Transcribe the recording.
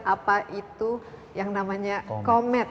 apa itu yang namanya komet